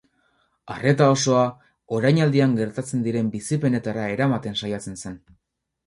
Arreta osoa orainaldian gertatzen diren bizipenetara eramaten saiatzen zen.